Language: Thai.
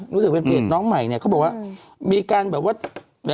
รู้สึกเป็นเพจน้องใหม่เนี่ยเขาบอกว่ามีการแบบว่า